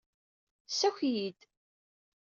Ssaki-iyi-d.